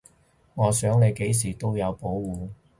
我想你幾時都有保護